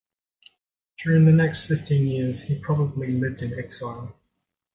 During the next fifteen years he probably lived in exile.